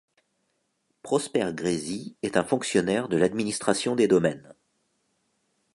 Prosper Grésy est un fonctionnaire de l'administration des Domaines.